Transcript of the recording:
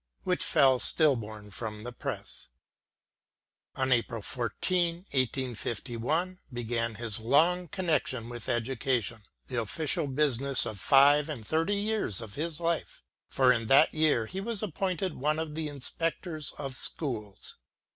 which fell still born from the press. Oii April 14, 1 85 1, began his long connection with education — the official business of five and thirty years of his life — ^for in that year he was appointed one of the Inspectors of Schools.